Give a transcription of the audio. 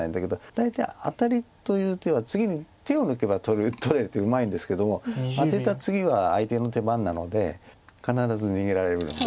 大体アタリという手は次に手を抜けば取れてうまいんですけどもアテた次は相手の手番なので必ず逃げられるんで。